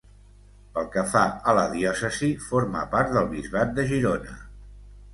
Pel que fa a la diòcesi, forma part del bisbat de Girona.